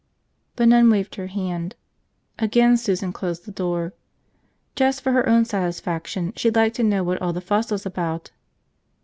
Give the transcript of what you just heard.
The nun waved her hand. Again Susan closed the door. Just for her own satisfaction, she'd like to know what all the fuss was about.